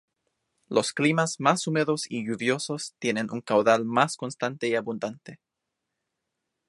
Los climas más húmedos y lluviosos tienen un caudal más constante y abundante.